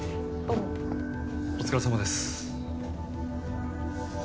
お疲れさまです。